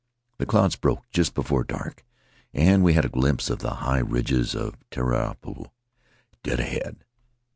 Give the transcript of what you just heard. The clouds broke just before dark, and we had a glimpse of the high ridges of Taiarapu, dead ahead.